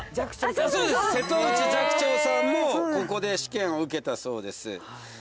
瀬戸内寂聴さんもここで試験を受けたそうです。